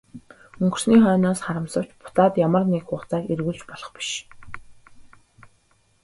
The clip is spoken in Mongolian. Өнгөрсний хойноос харамсавч буцаад ямар цаг хугацааг эргүүлж болох биш.